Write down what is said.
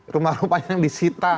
rumah rumah yang disita